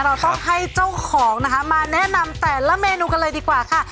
เราต้องให้เจ้าของนะคะมาแนะนำแต่ละเมนูกันเลยดีกว่าค่ะ